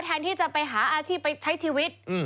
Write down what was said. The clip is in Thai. แทนที่จะไปหาอาชีพไปใช้ชีวิต